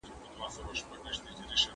کومه طریقه اغېزمنه ده؟